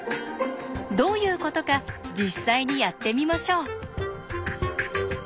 どういうことか実際にやってみましょう。